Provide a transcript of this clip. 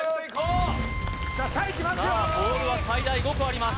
さあボールは最大５個あります